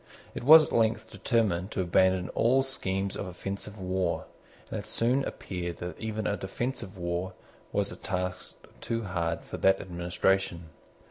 It was at length determined to abandon all schemes of offensive war; and it soon appeared that even a defensive war was a task too hard for that administration.